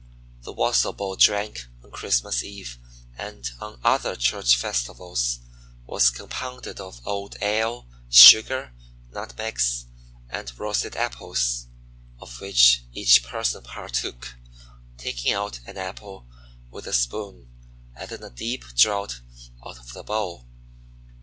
The wassail bowl drank on Christmas Eve, and on other church festivals, was compounded of old ale, sugar, nutmegs, and roasted apples, of which each person partook, taking out an apple with a spoon and then a deep draught out of the bowl.